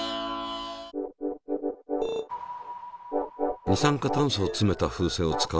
二酸化炭素をつめた風船を使うと。